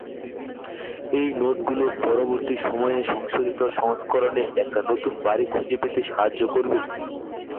এই নোটগুলো পরবর্তী সময়ে সংশোধিত সংস্করণে একটা নতুন বাড়ি খুঁজে পেতে সাহায্য করবে।